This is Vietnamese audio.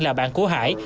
là bạn của hải